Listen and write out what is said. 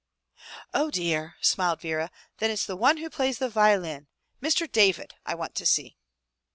'* ''Oh dear/' smiled Vera. '*Then it's the one who plays the violin — Mr. David — I want to see."